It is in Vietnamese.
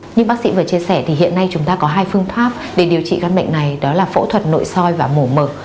như bác sĩ vừa chia sẻ thì hiện nay chúng ta có hai phương pháp để điều trị căn bệnh này đó là phẫu thuật nội soi và mổ mở